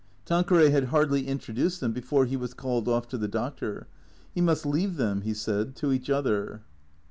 Tanqueray had hardly introduced them before he was called off to the doctor. He must leave them, he said, to each other.